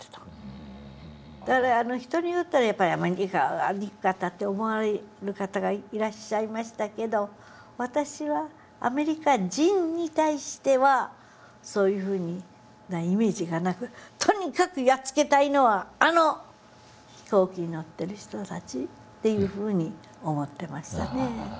人によったらやっぱりアメリカが憎かったって思われる方がいらっしゃいましたけど私は「アメリカ人」に対してはそういうふうなイメージがなくとにかくやっつけたいのはあの飛行機に乗ってる人たちというふうに思ってましたね。